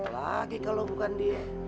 lagi kalo bukan dia